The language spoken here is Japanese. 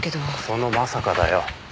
そのまさかだよ。